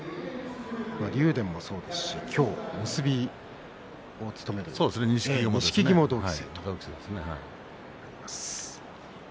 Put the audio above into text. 竜電もそうですし今日結びを務める錦木も同期ですね。